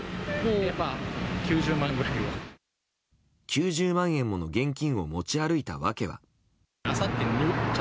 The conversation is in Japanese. ９０万円もの現金を持ち歩いた訳は？